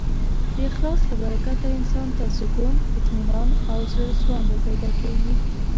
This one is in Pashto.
د اخلاص له برکته انسان ته سکون، اطمینان او زړهسواندی پیدا کېږي.